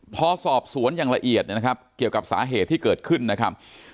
พอสอบสวนอย่างละเอียดเนี่ยนะครับเกี่ยวกับสาเหตุที่เกิดขึ้นนะครับ